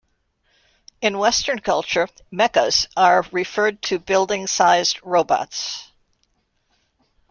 In Western culture, mechas are referred to building sized robots.